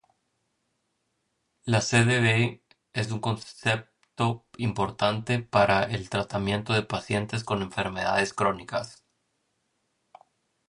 La CdV es un concepto importante para el tratamiento de pacientes con enfermedades crónicas.